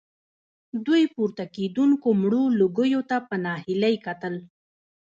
دوی پورته کېدونکو مړو لوګيو ته په ناهيلۍ کتل.